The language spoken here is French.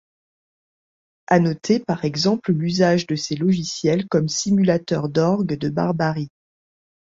À noter par exemple l'usage de ces logiciels comme simulateurs d'orgue de barbarie.